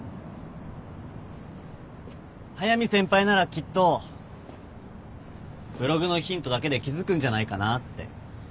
速見先輩ならきっとブログのヒントだけで気付くんじゃないかなって。